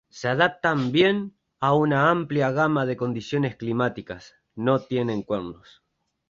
Se adaptan bien a una amplia gama de condiciones climáticas, no tienen cuernos.